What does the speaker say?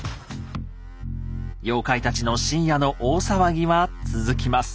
妖怪たちの深夜の大騒ぎは続きます。